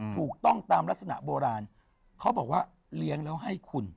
ถูกต้องตามลักษณะโบราณเขาบอกว่าเลี้ยงแล้วให้คุณ